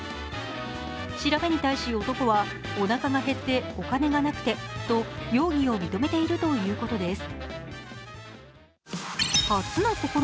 調べに対し、男はおなかが減ってお金がなくてと容疑を認めているということです。